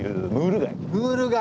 ムール貝